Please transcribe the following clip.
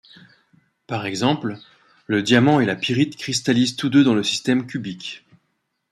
Par exemple, le diamant et la pyrite cristallisent tous deux dans le système cubique.